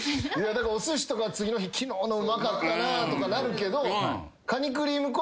おすしとか次の日昨日のうまかったとかなるけど。